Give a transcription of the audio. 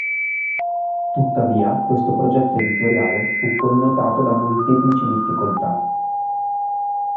Tuttavia questo progetto editoriale fu connotato da molteplici difficoltà.